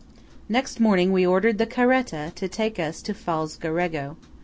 Next morning we ordered the caretta to take us to Falzarego.